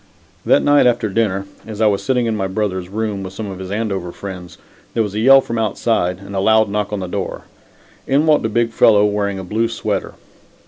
That night after dinner, as I was sitting in my brother's room, with some of his Andover friends, there was a yell from outside, and a loud knock on the door. In walked a big fellow wearing a blue sweater.